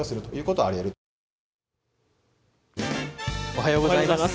おはようございます。